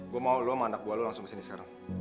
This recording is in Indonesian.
gue mau lo sama anak buah lo langsung ke sini sekarang